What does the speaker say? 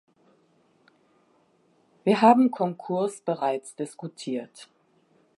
Wir haben Konkurs bereits diskutiert.